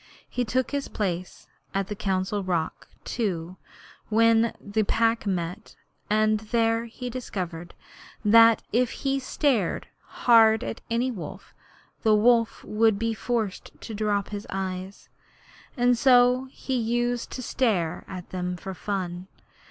He took his place at the Council Rock, too, when the Pack met, and there he discovered that if he stared hard at any wolf, the wolf would be forced to drop his eyes, and so he used to stare for fun.